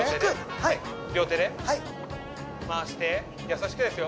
両手で回して優しくですよ